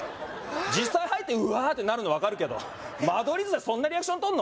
実際入って「うわ」ってなるの分かるけど間取り図でそんなリアクションとるの？